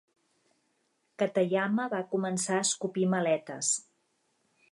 Katayama va començar a escopir maletes.